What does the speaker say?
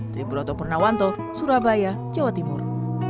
triburoto purnawanto surabaya jawa timur